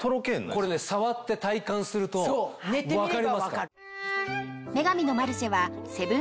これ触って体感すると分かりますから。